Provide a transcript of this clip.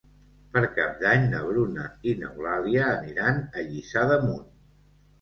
Per Cap d'Any na Bruna i n'Eulàlia aniran a Lliçà d'Amunt.